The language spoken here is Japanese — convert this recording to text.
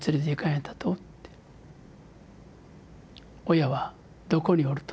「親はどこにおると？」